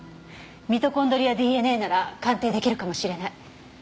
ミトコンドリアＤＮＡなら鑑定出来るかもしれない。